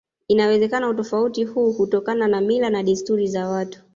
Inawezekana utofauti huu hutokana na mila na desturi za watu